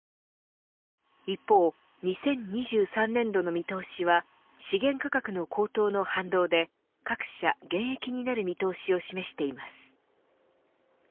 一方、２０２３年度の見通しは資源価格の高騰の反動で各社減益になる見通しを示しています。